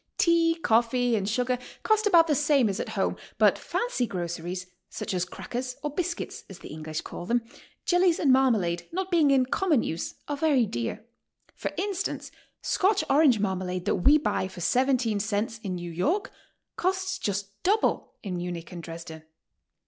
Tea, coffee and sugar cost about the samie as at home, but fancy groceries, such as crackers, or biscuits, as the English call them, jellies and marmalade, not being in common use, are very dear. P'or instance, Scotch orange marmalade that we buy for 17 cents in New York, costs just double in Munich and Dres den.